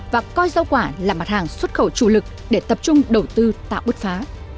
và coi rau quả là mặt hàng xuất khẩu chủ lực để tập trung đầu tư tạo bứt phá